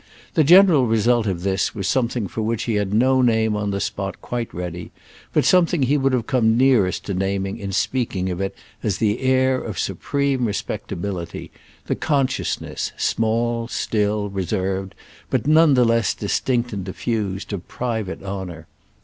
The general result of this was something for which he had no name on the spot quite ready, but something he would have come nearest to naming in speaking of it as the air of supreme respectability, the consciousness, small, still, reserved, but none the less distinct and diffused, of private honour.